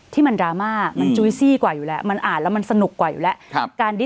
ที่มันดราม่ามันอยู่แล้วมันอ่านแล้วมันสนุกกว่าอยู่แล้วครับ